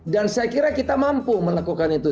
dan saya kira kita mampu melakukan itu